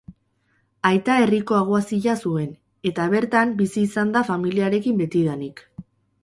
Aita herriko aguazila zuen, eta bertan bizi izan da familiarekin betidanik.